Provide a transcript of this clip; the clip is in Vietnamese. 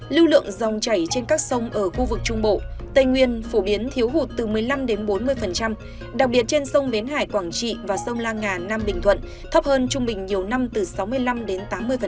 lưu lượng dòng chảy trên các sông ở khu vực trung bộ tây nguyên phổ biến thiếu hụt từ một mươi năm đến bốn mươi đặc biệt trên sông bến hải quảng trị và sông la ngà nam bình thuận thấp hơn trung bình nhiều năm từ sáu mươi năm đến tám mươi